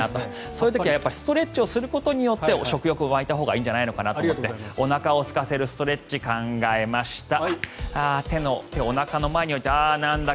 そういう時はやっぱりストレッチをすることによって食欲が湧いたほうがいいんじゃないかということでおなかをすかせるストレッチ考えました。